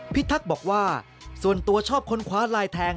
ทักษ์บอกว่าส่วนตัวชอบคนคว้าลายแทง